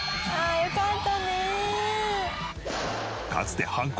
よかった。